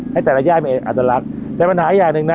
ให้แต่ละย่านเป็นอัตลักษณ์แต่ปัญหาอย่างหนึ่งนะ